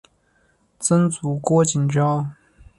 曾祖父郭景昭。